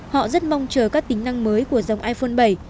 họ rất mong chờ các tính năng mới của dòng iphone bảy